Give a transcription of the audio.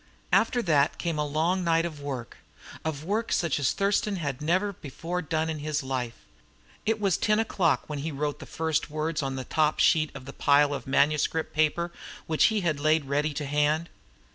After that came a long night of work of work such as Thurston had never before done in his life. It was ten o'clock when he wrote the first words on the top sheet of the pile of manuscript paper which he had laid ready to hand.